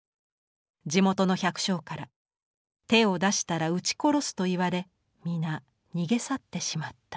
地元の百姓から手を出したら打ち殺すと言われ皆逃げ去ってしまった」。